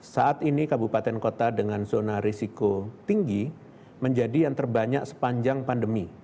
saat ini kabupaten kota dengan zona risiko tinggi menjadi yang terbanyak sepanjang pandemi